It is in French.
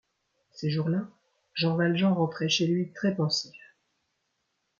Ces jours-là, Jean Valjean rentrait chez lui très pensif.